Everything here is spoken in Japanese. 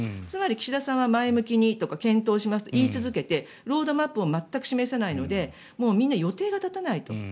つまり、岸田さんは前向きにとか検討しますとか言い続けてロードマップを全く示さないので予定が立たないと。